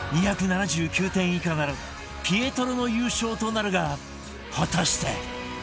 ２７９点以下ならピエトロの優勝となるが果たして